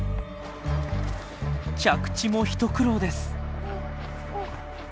着地も一苦労です。